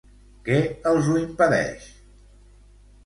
Què els ho impedeix?